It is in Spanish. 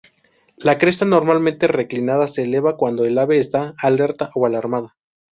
La cresta normalmente reclinada se eleva cuando el ave está alerta o alarmada.